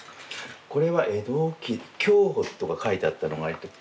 これは江戸期享保とか書いてあったのも。